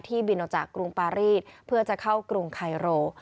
บินออกจากกรุงปารีสเพื่อจะเข้ากรุงไคโร